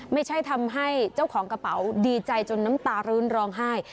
ไม่ใช่ทำให้เจ้าของกระเป๋าดีใจจนน้ำตารื้นร้องไห้